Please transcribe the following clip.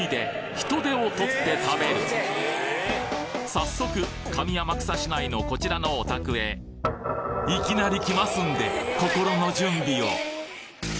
早速上天草市内のこちらのお宅へいきなり来ますんで心の準備を！